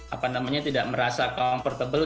apa namanya tidak merasa comfortable